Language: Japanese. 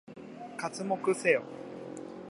刮目せよ！